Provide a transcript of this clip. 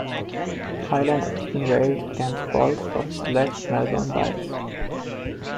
Hyland often railed against Bolte for his alleged Melbourne bias.